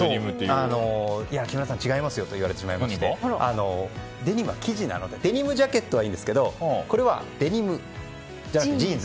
木村さん、違いますよといわれてデニムは生地なのでデニムジャケットはいいですがこれはデニムじゃなくてジーンズ。